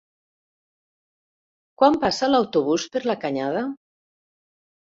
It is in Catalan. Quan passa l'autobús per la Canyada?